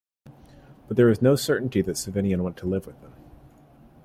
But there is no certainty that Savinien went to live with them.